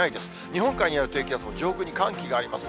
日本海にある低気圧は、上空に寒気があります。